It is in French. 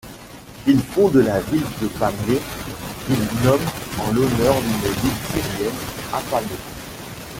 Il fonde la ville de Pamiers qu’il nomme en l’honneur d’une ville syrienne, Apamée.